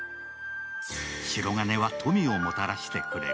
しろがねは富をもたらしてくれる。